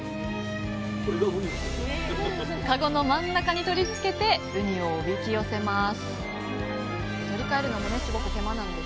かごの真ん中に取り付けてウニをおびき寄せます